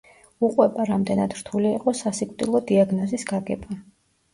უყვება, რამდენად რთული იყო სასიკვდილო დიაგნოზის გაგება.